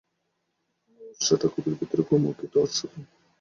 উৎসটা গভীর ভিতরে, গোমুখী তো উৎস নয়।